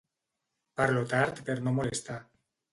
Parlo tard per no molestar.